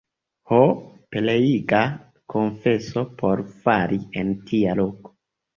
Ho, pereiga konfeso por fari en tia loko!